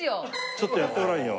ちょっとやってごらんよ。